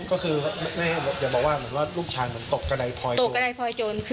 ก็คืออย่าบอกว่าลูกชายเหมือนตกกระดายพอยจน